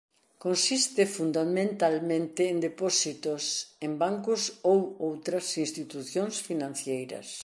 Consiste fundamentalmente en depósitos en bancos ou outras institucións financeiras.